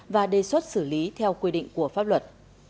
và đề xuất xử lý theo quy định của pháp luật